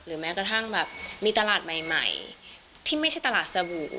แม้กระทั่งแบบมีตลาดใหม่ที่ไม่ใช่ตลาดสบู่